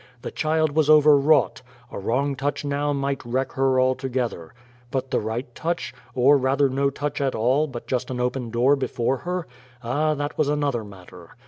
The child was overwrought. A wrong touch now might wreck her altogether. But the right touch? Or, rather, no touch at all, but just an open door before her? Ah, that was another matter.